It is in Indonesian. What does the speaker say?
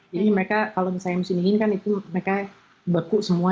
jadi mereka kalau misalnya musim dingin kan itu mereka beku semua